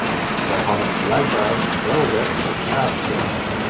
Zij hadden blijkbaar wel recht op staatssteun.